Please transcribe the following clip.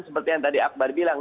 seperti yang tadi akbar bilang